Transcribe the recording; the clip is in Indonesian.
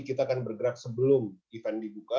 kita akan bergerak sebelum event dibuka